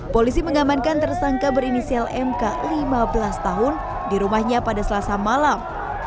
polisi mengamankan tersangka berinisial mk lima belas tahun di rumahnya pada selasa malam